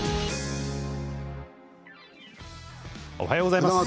おはようございます。